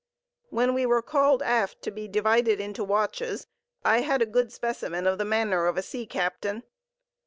When we were called aft to be divided into watches, I had a good specimen of the manner of a sea captain.